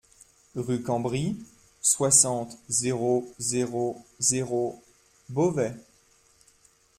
Rue Cambry, soixante, zéro zéro zéro Beauvais